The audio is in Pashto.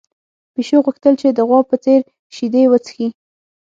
پيشو غوښتل چې د غوا په څېر شیدې وڅښي.